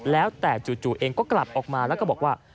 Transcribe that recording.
แล้วแต่จู่เองก็กลับออกมาแล้วก็บอกว่า